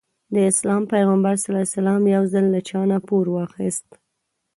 د اسلام پيغمبر ص يو ځل له چانه پور واخيسته.